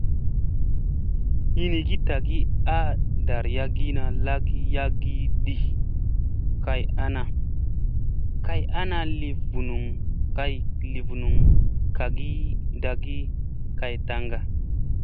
Hingi tagi a ɗarayagina lagii yagii di kay ana ,kay ana li vunun kagi ɗagii kay tanga.